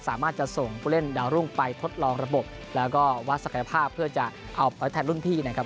สามารถจะส่งผู้เล่นดาวรุ่งไปทดลองระบบแล้วก็วัดศักยภาพเพื่อจะเอาไปแทนรุ่นพี่นะครับ